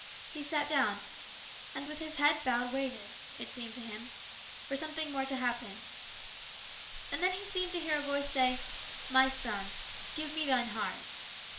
He sat down, and with his head bowed waited, it seemed to him, for something more to happen. And then he seemed to hear a voice say, " My son, give Me thine heart."